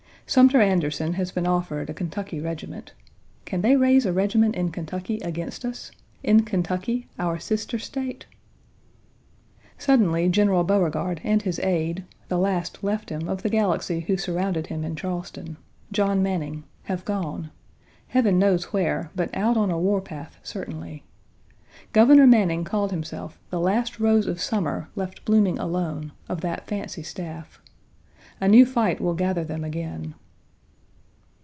Sumter Anderson has been offered a Kentucky regiment. Can they raise a regiment in Kentucky against us? In Kentucky, our sister State? Suddenly General Beauregard and his aide (the last left him of the galaxy who surrounded him in Charleston), John Manning, have gone Heaven knows where, but out on a war path certainly. Governor Manning called himself "the last rose of summer left blooming alone" of that fancy staff. A new fight will gather them again.